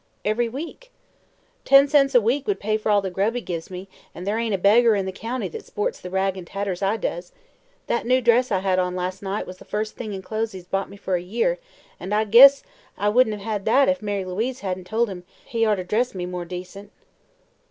"Every week." "Ten cents a week would pay for all the grub he gives me, an' there ain't a beggar in the county that sports the rags an' tatters I does. That new dress I had on las' night was the first thing in clothes he's bought me for a year, and I guess I wouldn't have had that if Mary Louise hadn't told him he orter dress me more decent."